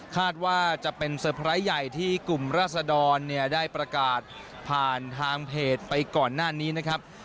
คาดว่าจะเป็นเซอร์ไพรส์ใหญ่ที่กลุ่มราศดรเนี่ยได้ประกาศผ่านทางเพจไปก่อนหน้านี้นะครับ